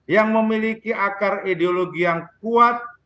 yang memiliki akar ideologi yang kuat